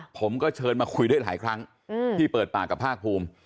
ผมก็เชิญมาคุยได้หลายครั้งที่เปิดปากกับภาคภูมิ